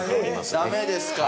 ダメですか。